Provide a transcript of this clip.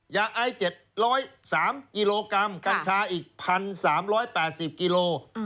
ยาไอ๗๐๓กิโลกรัมกัญชาอีก๑๓๘๐กิโล